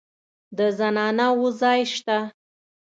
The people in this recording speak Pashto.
د زنانه وو ځای شته.